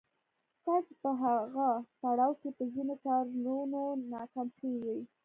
تاسې په هغه پړاو کې په ځينو کارونو ناکام شوي وئ.